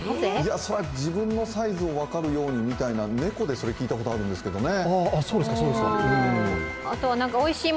それは自分のサイズを分かるようにみたいな、猫でそれを聞いたことがあるんですけどね。